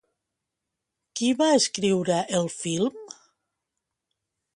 Qui va escriure el film?